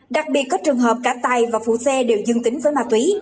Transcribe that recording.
đặc biệt có trường hợp cả tài và phụ xe đều dương tính với ma túy